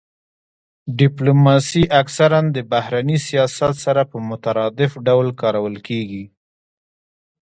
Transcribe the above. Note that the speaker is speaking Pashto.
ډیپلوماسي اکثرا د بهرني سیاست سره په مترادف ډول کارول کیږي